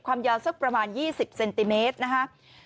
ความยาวสักประมาณ๒๐เซนติเมตรนะครับ